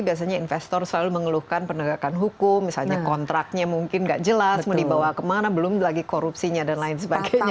biasanya investor selalu mengeluhkan penegakan hukum misalnya kontraknya mungkin nggak jelas mau dibawa kemana belum lagi korupsinya dan lain sebagainya